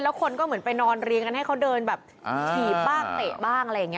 แล้วคนก็เหมือนไปนอนเรียงกันให้เขาเดินแบบถีบบ้างเตะบ้างอะไรอย่างนี้